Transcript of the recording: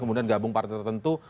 kemudian gabung partai tertentu